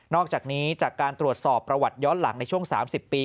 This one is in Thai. อกจากนี้จากการตรวจสอบประวัติย้อนหลังในช่วง๓๐ปี